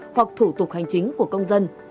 hoặc thủ tục hành chính của công dân